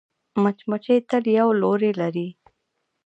مچمچۍ تل یو لوری لري